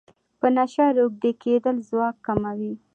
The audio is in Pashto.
په نشه روږدی کیدل ځواک کموي.